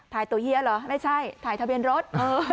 ตัวเฮียเหรอไม่ใช่ถ่ายทะเบียนรถ